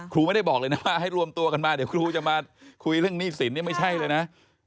ครูไม่ได้บอกเลยนะว่าให้รวมตัวกันมาเดี๋ยวครูจะมาคุยเรื่องหนี้สินเนี่ยไม่ใช่เลยนะ